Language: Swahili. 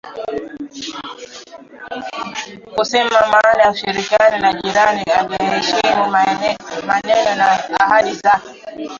kusema maana ya ushirikiano na jirani aiyeheshimu maneno na ahadi zake